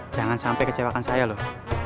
jangan sampai kecewakan saya loh